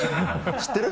知ってる？